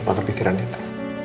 apa kepikiran itu